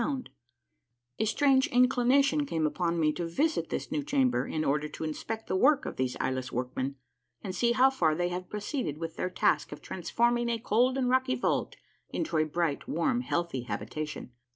136 A MARVELLOUS UNDERGROUND JOURNEY A strange inclination came upon me to visit this new cham ber in order to inspect the work of these eyeless workmen, and see how far they had proceeded wUh their task of transforming a cold and rocky vault into a bright, warm, healthy habitation.